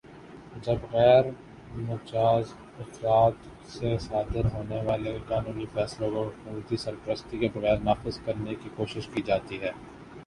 جب غیر مجازافراد سے صادر ہونے والے قانونی فیصلوں کو حکومتی سرپرستی کے بغیر نافذ کرنے کی کوشش کی جاتی ہے